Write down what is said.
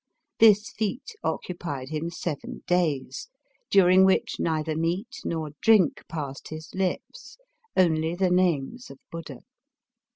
This feat occupied him seven days, during which neither meat nor drink passed his lips, only the names of Buddha.